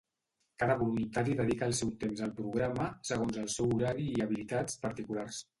Cada voluntari dedica el seu temps al programa segons el seu horari i habilitats particulars.